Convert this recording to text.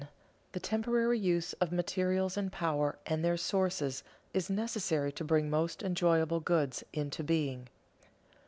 _The temporary use of materials and power and their sources is necessary to bring most enjoyable goods into being.